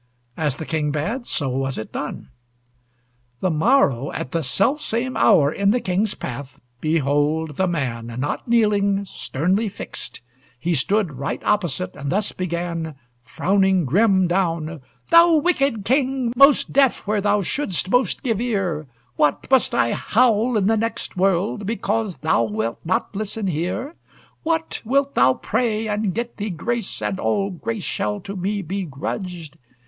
As the King bade, so was it done. The morrow, at the self same hour, In the King's path, behold, the man, Not kneeling, sternly fixed! he stood Right opposite, and thus began, Frowning grim down: "Thou wicked King, Most deaf where thou shouldst most give ear! What, must I howl in the next world, Because thou wilt not listen here? "What, wilt thou pray, and get thee grace, And all grace shall to me be grudged?